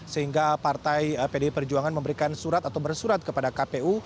sehingga partai pdi perjuangan memberikan surat atau bersurat kepada kpu